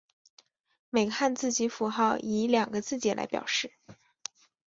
每个汉字及符号以两个字节来表示。